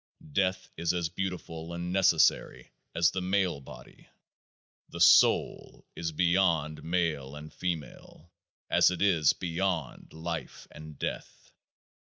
Death is as beautiful and necessary as the male body. The soul is beyond male and female as it is beyond Life and Death.